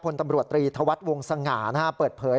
พลตำรวจตรีธวัฒน์วงสง่าเปิดเผย